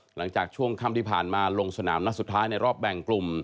หลังจากช่วงค่ำที่ผ่านมาลงสนามนัดสุดท้ายในรอบแบ่งกลุ่ม